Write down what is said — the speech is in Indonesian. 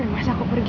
masa aku pergi